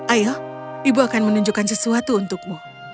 ayo ibu akan menunjukkan sesuatu untukmu